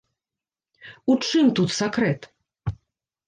У чым тут сакрэт?